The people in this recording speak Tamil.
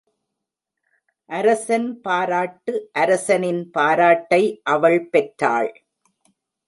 அரசன் பாராட்டு அரசனின் பாராட்டை அவள் பெற்றாள்.